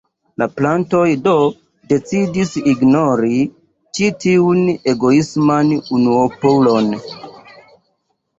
La plantoj do decidis ignori ĉi tiun egoisman unuopulon.